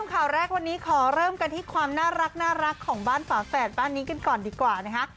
ข่าวแรกวันนี้ขอเริ่มกันที่ความน่ารักของบ้านฝาแฝดบ้านนี้กันก่อนดีกว่านะคะ